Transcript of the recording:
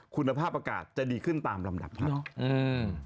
คุณภาพอากาศจะดีขึ้นตามลำดับครับ